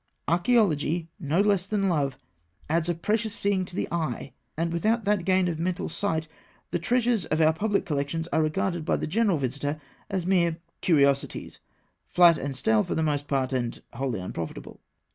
Archaeology, no less than love, "adds a precious seeing to the eye"; and without that gain of mental sight, the treasures of our public collections are regarded by the general visitor as mere "curiosities" flat and stale for the most part, and wholly unprofitable.